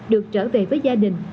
được trở về với gia đình